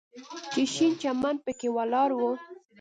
چې شين چمن پکښې ولاړ و.